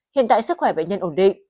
hiện tại sức khỏe bệnh nhân ổn định